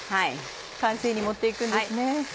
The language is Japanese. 完成に持って行くんですね。